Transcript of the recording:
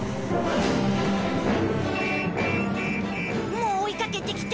もう追いかけてきた？